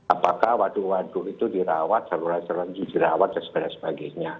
apakah waduk waduk itu dirawat saluran saluran dirawat dan sebagainya